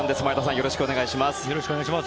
よろしくお願いします。